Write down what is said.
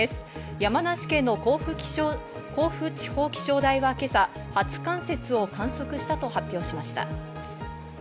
山梨県の甲府地方気象台は今朝、初冠雪を観測したと発表しました。